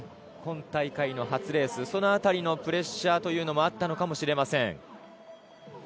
今大会の初レースその辺りのプレッシャーもあったのかもしれません。